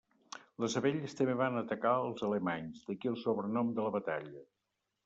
Les abelles també van atacar als alemanys, d'aquí el sobrenom de la batalla.